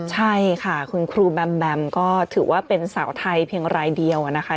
ใช่ค่ะคุณครูแบมแบมก็ถือว่าเป็นสาวไทยเพียงรายเดียวนะคะ